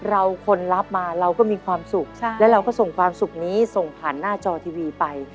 เราคนรับมาเราก็มีความสุขและเราก็ส่งความสุขนี้ส่งผ่านหน้าจอทีวีไป